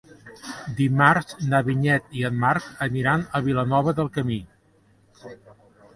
Dimarts na Vinyet i en Marc aniran a Vilanova del Camí.